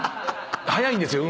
早いんですよ